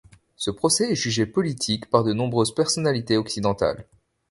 Ce procès est jugé politique par de nombreuses personnalités occidentales.